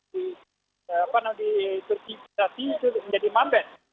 di turki turki itu menjadi mabed